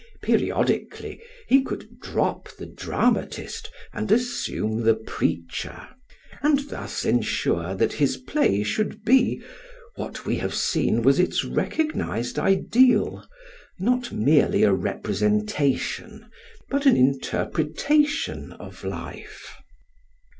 Periodically he could drop the dramatist and assume the preacher; and thus ensure that his play should be, what we have seen was its recognised ideal, not merely a representation but an interpretation of life.